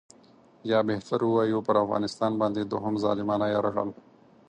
یا بهتر ووایو پر افغانستان باندې دوهم ظالمانه یرغل.